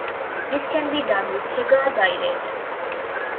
This can be done with Hegar dilators.